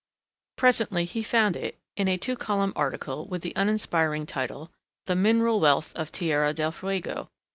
Presently he found it in a two column article with the uninspiring title, "The Mineral Wealth of Tierra del Fuego."